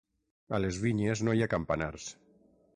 A les vinyes no hi ha campanars.